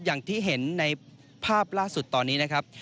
อย่างที่เห็นในภาพล่าสุดตอนนี้นะครับ